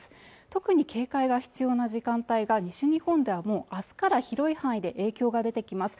特に警戒が必要な時間帯が西日本ではもうあすから広い範囲で影響が出てきます